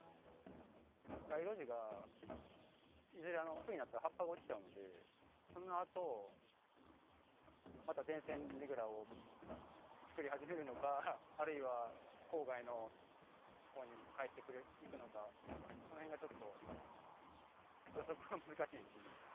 街路樹がいずれ、冬になったら葉っぱが落ちちゃうので、そのあと、また電線ねぐらを作り始めるのか、あるいは郊外のほうに帰っていくのか、そのへんがちょっと、予測が難しいですね。